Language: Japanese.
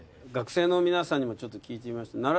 学生の皆さんにもちょっと聞いてみましょう。